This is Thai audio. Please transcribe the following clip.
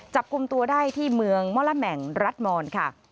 จับกลุ่มตัวได้ที่เมืองมรมแห่งรัฐมนต์